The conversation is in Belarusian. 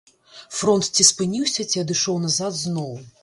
Фронт ці спыніўся, ці адышоў назад зноў.